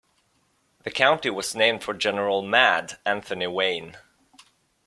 The county was named for General "Mad" Anthony Wayne.